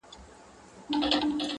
په دې سپي کي کمالونه معلومېږي,